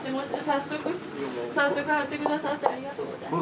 早速早速貼って下さってありがとうございます。